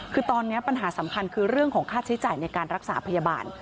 คือตอนนี้ปัญหาสำคัญคือเรื่องของค่าใช้จ่ายในการรักษาพยาบาล